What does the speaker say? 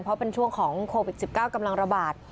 เพราะเป็นช่วงของโควิด๑๙กำลังระบาด